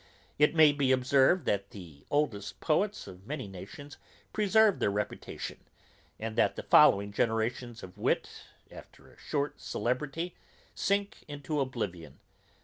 It may be observed, that the oldest poets of many nations preserve their reputation, and that the following generations of wit, after a short celebrity, sink into oblivion.